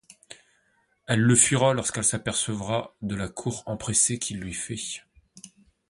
Elle le fuira lorsqu'elle s'apercevra de la cour empressée qu'il lui fait.